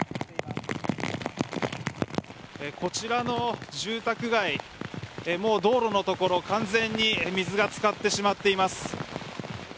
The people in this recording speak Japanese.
こちらの住宅街もう道路のところ完全に水が浸かってしまっています。